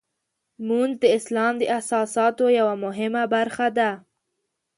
لمونځ د اسلام د اساساتو یوه مهمه برخه ده.